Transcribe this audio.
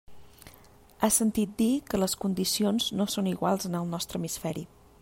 Ha sentit dir que les condicions no són iguals en el nostre hemisferi.